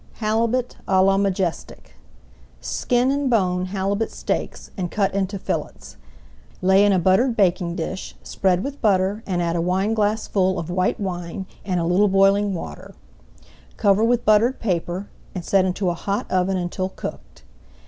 HALIBUT À LA MAJESTIC Skin and bone halibut steaks, and cut into fillets. Lay in a buttered baking dish, spread with butter, and add a wineglassful of white [Page 171] wine, and a little boiling water. Cover with buttered paper, and set into a hot oven until cooked.